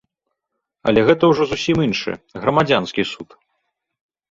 Але гэта ўжо зусім іншы, грамадзянскі суд.